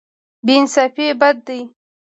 بې انصافي بد دی.